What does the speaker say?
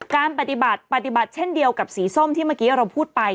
การปฏิบัติปฏิบัติเช่นเดียวกับสีส้มที่เมื่อกี้เราพูดไป